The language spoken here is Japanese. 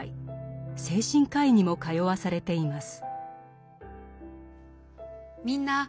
精神科医にも通わされています。